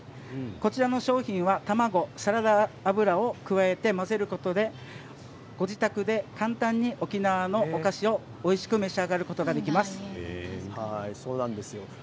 こちらの商品は卵とサラダ油を加えて混ぜることでご自宅で簡単に沖縄のお菓子をおいしく召し上がることができます。